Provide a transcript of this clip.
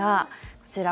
こちら